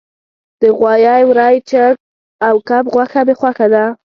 د غوایی، وری، چرګ او کب غوښه می خوښه ده